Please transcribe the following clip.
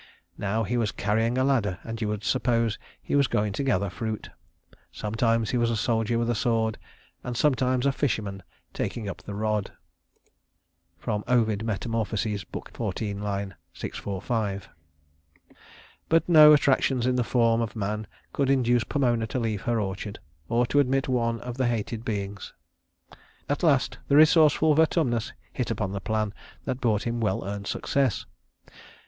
Now he was carrying a ladder, and you would suppose he was going to gather fruit. Sometimes he was a soldier with a sword, and sometimes a fisherman, taking up the rod." But no attractions in the form of man could induce Pomona to leave her orchard, or to admit one of the hated beings. At last the resourceful Vertumnus hit upon the plan that brought him well earned success.